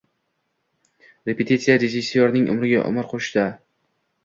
Repetitsiya rejissyorning umriga umr qo‘shadi